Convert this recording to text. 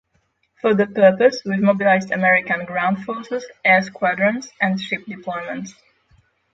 For that purpose we’ve mobilized American ground forces, air squadrons, and ship deployments